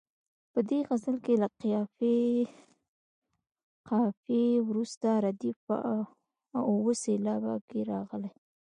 په دې غزل کې له قافیې وروسته ردیف په اوه سېلابه کې راغلی.